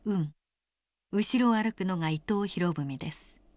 後ろを歩くのが伊藤博文です。